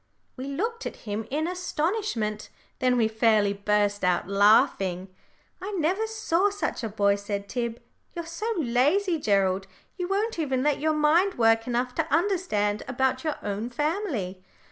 We looked at him in astonishment. Then we fairly burst out laughing. "I never saw such a boy," said Tib. "You're so lazy, Gerald, you won't even let your mind work enough to understand about your own family."